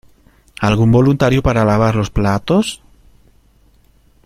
¿Algún voluntario para lavar los platos?